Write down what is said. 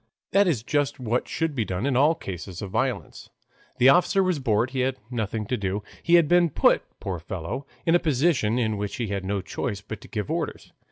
That is just what should be done in all cases of violence. The officer was bored, he had nothing to do. He had been put, poor fellow, in a position in which he had no choice but to give orders.